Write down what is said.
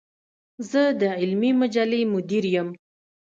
زۀ د علمي مجلې مدير يم.